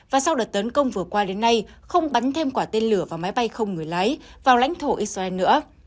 và sau đợt tấn công vừa qua đến nay không bắn thêm quả tên lửa và máy bay không người lái vào lãnh thổ israel nữa